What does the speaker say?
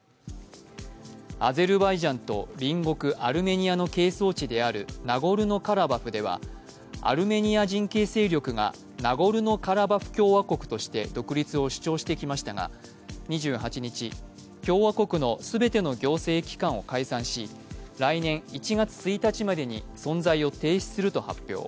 アゼルバイジャンと隣国アルメニアの係争地であるナゴルノ・カラバフではアルメニア人系勢力がナゴルノ・カラバフ共和国として独立を主張してきましたが２８日、共和国の全ての行政機関を解散し来年１月１日までに存在を停止すると発表。